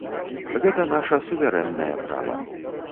Гэта наша суверэннае права.